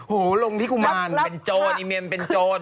โหลงที่กุมานเป็นโจร